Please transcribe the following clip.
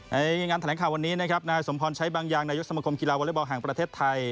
ในงานแถลงข่าววันนี้นะครับนายสมพรใช้บางอย่างนายกสมคมกีฬาวอเล็กบอลแห่งประเทศไทย